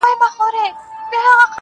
نسه نه وو نېمچه وو ستا د درد په درد,